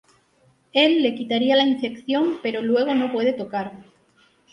Él le quitaría la infección pero luego no puede tocar.